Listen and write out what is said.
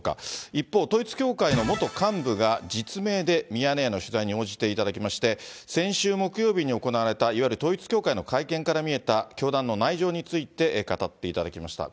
一方、統一教会の元幹部が、実名でミヤネ屋の取材に応じていただきまして、先週木曜日に行われた、いわゆる統一教会の会見から見えた教団の内情について語っていただきました。